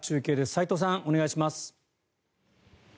齋藤さん、お願いします。